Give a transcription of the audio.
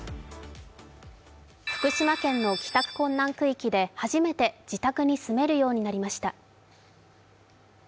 福島県の帰宅困難区域で初めて自宅に住めるようになりました。